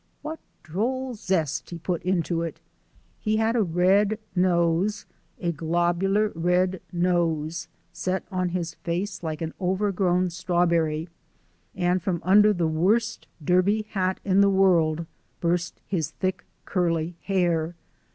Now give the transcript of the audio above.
What droll zest he put into it! He had a red nose, a globular red nose set on his face like an overgrown strawberry, and from under the worst derby hat in the world burst his thick curly hair.